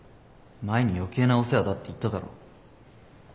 前に余計なお世話だって言っただろ。